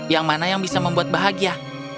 yang mana yang bisa membuat bahagia